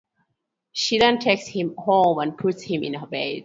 She then takes him home and puts him in her bed.